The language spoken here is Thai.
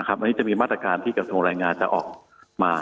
อันนี้จะมีมาตรการที่กระทรวงแรงงานจะออกมา